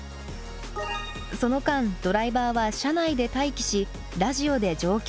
その間ドライバーは車内で待機しラジオで状況を把握。